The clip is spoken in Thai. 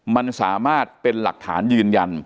มันสามารถเป็นหลักฐานยืนยัน